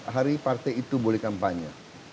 hari partai itu boleh kampanye